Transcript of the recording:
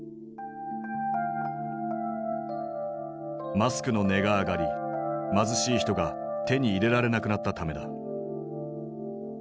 マスクの値が上がり貧しい人が手に入れられなくなったためだ。